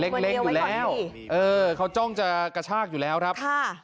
เล็กอยู่แล้วเออเขาจ้องจะกระชากอยู่แล้วครับค่ะ